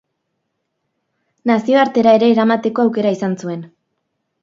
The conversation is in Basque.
Nazioartera ere eramateko aukera izan zuen.